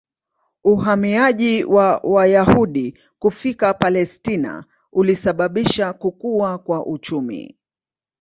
Uhamiaji wa Wayahudi kufika Palestina ulisababisha kukua kwa uchumi.